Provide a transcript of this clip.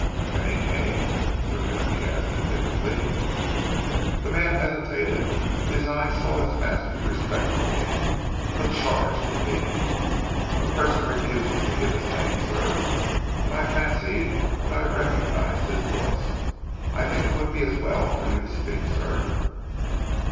"Any name?" Sir Timothy asked indifferently. The man hesitated. His eyes sought his master's respectfully but charged with meaning. "The person refuses to give his name, sir, but I fancied that I recognised his voice. I think it would be as well for you to speak, sir."